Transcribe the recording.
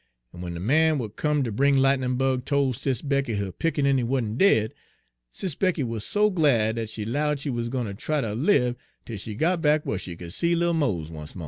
En w'en de man w'at come ter bring Lightnin' Bug tol' Sis Becky her pickaninny wa'n't dead, Sis Becky wuz so glad dat she 'lowed she wuz gwine ter try ter lib 'tel she got back whar she could see little Mose once mo'.